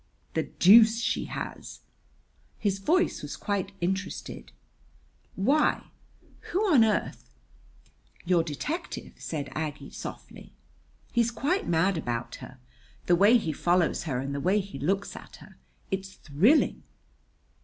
"The deuce she has!" His voice was quite interested. "Why, who on earth " "Your detective," said Aggie softly. "He's quite mad about her. The way he follows her and the way he looks at her it's thrilling!"